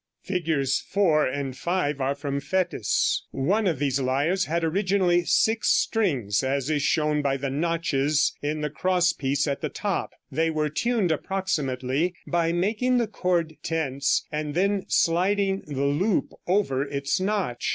Figs. 4 and 5 are from Fétis. One of these lyres had originally six strings, as is shown by the notches in the cross piece at the top. They were tuned approximately by making the cord tense and then sliding the loop over its notch.